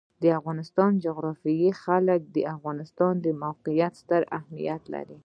د افغانستان جغرافیه کې د افغانستان د موقعیت ستر اهمیت لري.